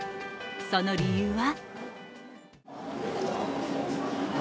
その理由は？